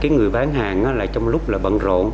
người bán hàng trong lúc bận rộn